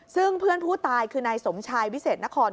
ซึ่งเพื่อนผู้ตายคือนายสมชายวิเศษนคร